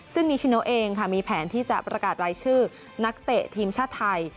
ซึ่งนิชิโนเองค่ะมีแผนที่จะประกาศรายชื่อนักเตะทีมชาติไทย